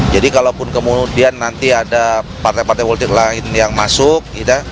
jadi kalau pun kemudian nanti ada partai partai politik lain yang masuk